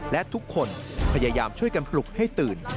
และทุกคนพยายามช่วยกันปลุกให้ตื่น